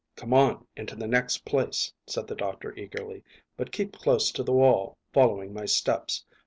"Come on into the next place," said the doctor eagerly; "but keep close to the wall, following my steps.